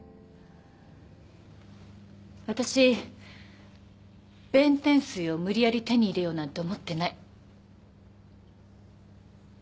私弁天水を無理やり手に入れようなんて思ってない。